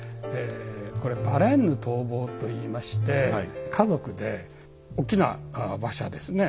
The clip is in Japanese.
これ「ヴァレンヌ逃亡」といいまして家族で大きな馬車ですね